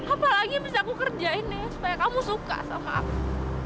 apalagi yang bisa aku kerjain nih supaya kamu suka sama aku